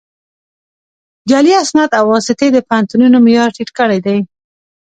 جعلي اسناد او واسطې د پوهنتونونو معیار ټیټ کړی دی